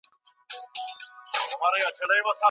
د معروفه توګي څخه د رزق په اړه څه هدف دی؟